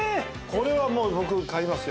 これはもう僕買いますよ。